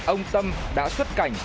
ông tâm đã xuất cảnh